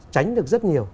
tránh được rất nhiều